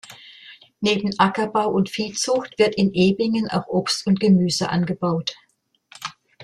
Neben Ackerbau und Viehzucht wird in Ebingen auch Obst und Gemüse angebaut.